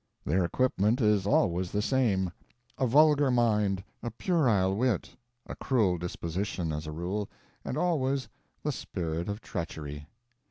Their equipment is always the same: a vulgar mind, a puerile wit, a cruel disposition as a rule, and always the spirit of treachery.